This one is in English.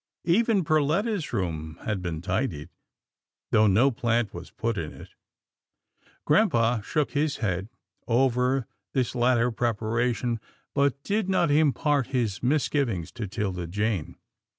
Even Perletta's room had been tidied, though no plant was put in it. Grampa shook his head over this latter prepara tion, but did not impart his misgivings to 'Tilda Jane.